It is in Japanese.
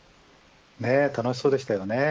楽しそうでしたよね。